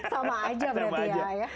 sama saja berarti ya